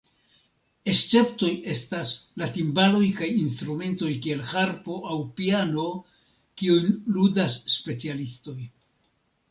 Esceptoj estas la timbaloj kaj instrumentoj kiel harpo aŭ piano, kiujn ludas specialistoj.